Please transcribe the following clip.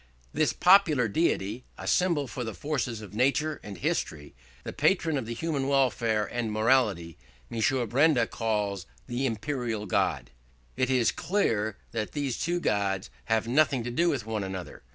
This popular deity, a symbol for the forces of nature and history, the patron of human welfare and morality, M. Benda calls the imperial God. "It is clear that these two Gods ... have nothing to do with one another.